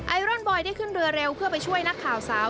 รอนบอยได้ขึ้นเรือเร็วเพื่อไปช่วยนักข่าวสาว